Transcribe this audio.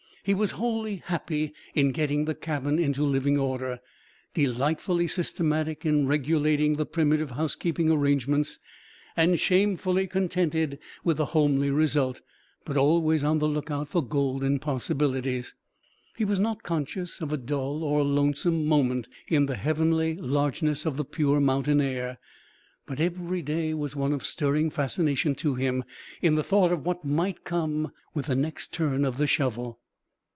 He was wholly happy in getting the cabin into living order, delightfully systematic in regulating the primitive housekeeping arrangements, and shamefully contented with the homely result, but always on the lookout for golden possibilities. He was not conscious of a dull or lonesome moment in the heavenly largeness of the pure mountain air, but every day was one of stirring fascination to him in the thought of what might come with the next turn of the shovel.